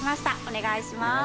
お願いします。